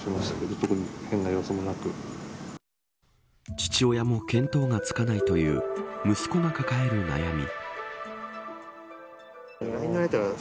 父親も見当がつかないという息子が抱える悩み。